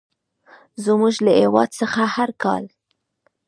زموږ له هېواد څخه هر کال.